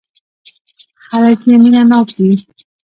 خلک يې مينه ناک دي.